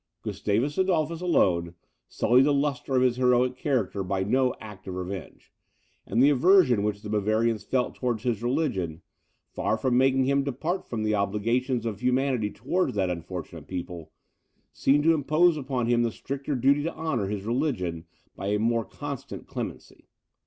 Gustavus Adolphus, alone, sullied the lustre of his heroic character by no act of revenge; and the aversion which the Bavarians felt towards his religion, far from making him depart from the obligations of humanity towards that unfortunate people, seemed to impose upon him the stricter duty to honour his religion by a more constant clemency.